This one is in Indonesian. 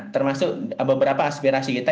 termasuk beberapa aspirasi kita